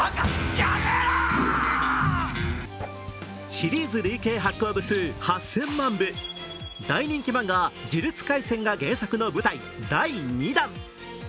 シリーズ累計発行部数８０００万部、大人気漫画「呪術廻戦」が原作の舞台第２弾。